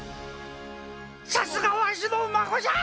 さすがわしの孫じゃ！